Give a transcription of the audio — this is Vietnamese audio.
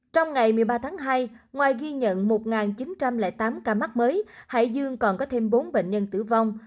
trong ngày một mươi ba tháng hai ngoài ghi nhận một chín trăm linh tám ca mắc mới hải dương còn có thêm bốn bệnh nhân tử vong